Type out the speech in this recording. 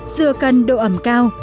dừa cần độ ẩm cao